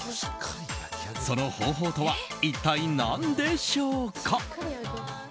その方法とは一体何でしょうか？